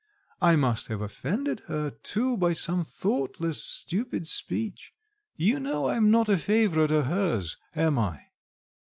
I must have offended her too by some thoughtless, stupid speech. You know I'm not a favourite of hers, am I?"